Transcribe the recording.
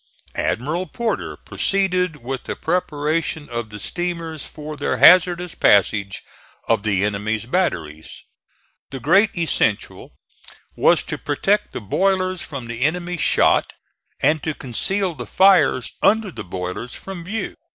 Admiral Porter proceeded with the preparation of the steamers for their hazardous passage of the enemy's batteries. The great essential was to protect the boilers from the enemy's shot, and to conceal the fires under the boilers from view.